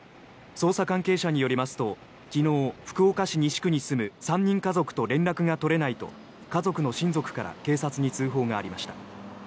捜査関係者によりますと昨日、福岡市西区に住む３人家族と連絡が取れないと家族の親族から警察に通報がありました。